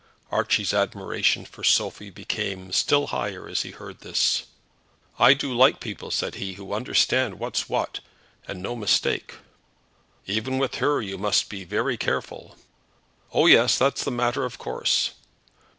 Archie's admiration for Sophie became still higher as he heard this. "I do like people," said he, "who understand what's what, and no mistake." "But even with her you must be very careful." "Oh, yes; that's a matter of course."